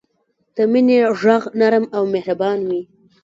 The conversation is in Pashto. د مینې ږغ نرم او مهربان وي.